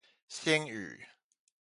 星宇